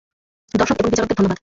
দর্শক এবং বিচারকদের ধন্যবাদ।